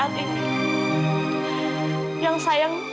saya gak mau kehilangan ibu aku